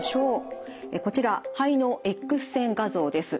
こちら肺のＸ線画像です。